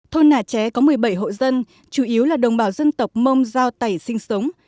thôn nà ché có một mươi bảy hộ dân chủ yếu là đồng bào dân tộc mông giao tẩy sinh sống